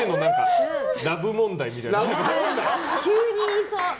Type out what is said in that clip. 急に言いそう。